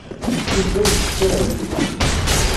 Yuba yettfay.